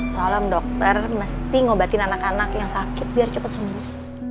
soalnya om dokter mesti ngobatin anak anak yang sakit biar cepet sembuh